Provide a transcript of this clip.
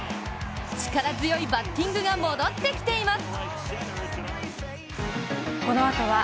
力強いバッティングが戻ってきています。